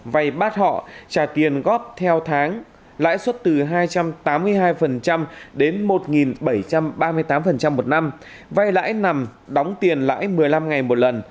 vay bát họ trả tiền góp theo tháng lãi suất từ hai trăm tám mươi hai đến một bảy trăm ba mươi tám một năm vay lãi nằm đóng tiền lãi một mươi năm ngày một lần